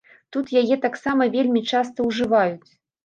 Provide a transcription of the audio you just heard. Тут яе таксама вельмі часта ўжываюць.